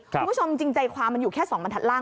คุณผู้ชมจริงใจความมันอยู่แค่๒บรรทัศนล่าง